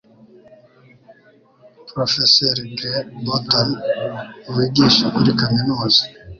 Porofeseri Greg Barton wigisha kuri Kaminuza